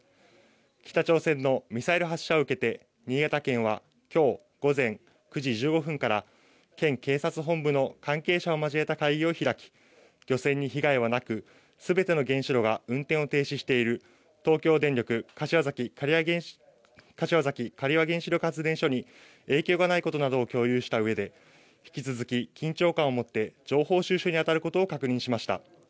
北朝鮮のミサイル発射を受けて、新潟県はきょう午前９時１５分から県警察本部の関係者を交えた会議を開き、漁船に被害はなく、すべての原子炉が運転を停止している東京電力柏崎刈羽原子力発電所に影響がないことなどを共有したうえで、引き続き緊張感を持って情報収集に当たることを確認しました。